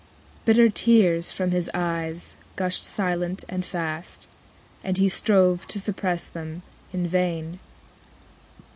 Bitter tears, from his eyes, gushed silent and fast; And he strove to suppress them in vain.